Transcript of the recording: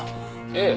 ええ。